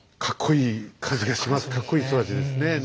かっこいい人たちですね。